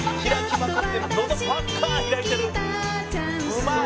「うまい！」